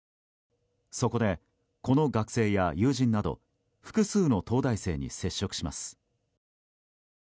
そこで、この学生や友人など複数の東大生に接触します。